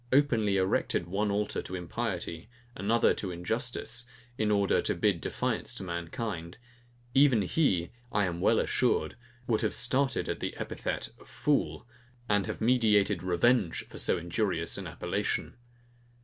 ], openly erected one altar to impiety, another to injustice, in order to bid defiance to mankind; even he, I am well assured, would have started at the epithet of FOOL, and have meditated revenge for so injurious an appellation.